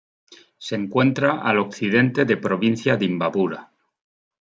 Se encuentra al occidente de provincia de Imbabura.